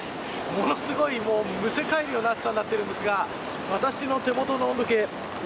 ものすごい、むせ返るような暑さになっているんですが私の手元の温度計